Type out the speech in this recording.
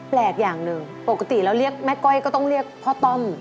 แปลกอย่างหนึ่งปกติแล้วเรียกแม่ก้อยก็ต้องเรียกพ่อต้อม